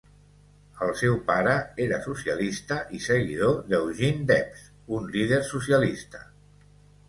El seu pare era socialista i seguidor d"Eugene Debs, un líder socialista.